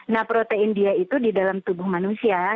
nah protein dia itu di dalam tubuh manusia